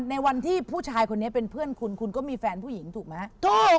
ในวันที่ผู้ชายคนนี้เป็นเพื่อนคุณคุณก็มีแฟนผู้หญิงถูกไหมถูก